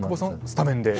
スタメンで。